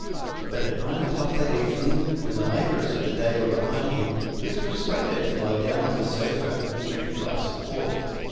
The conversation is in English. But at nine o'clock that evening, when the labours of the day were behind him, he was persuaded to lie down on the sofa and drink a glass of port.